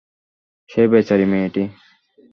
সেই বেচারি মেয়েটি।